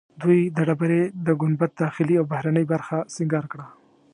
دوی د ډبرې د ګنبد داخلي او بهرنۍ برخه سنګار کړه.